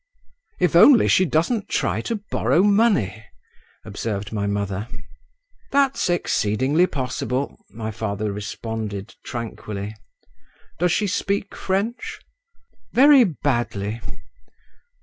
"If only she doesn't try to borrow money," observed my mother. "That's exceedingly possible," my father responded tranquilly. "Does she speak French?" "Very badly."